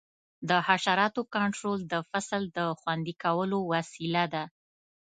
د حشراتو کنټرول د فصل د خوندي کولو وسیله ده.